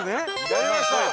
やりました。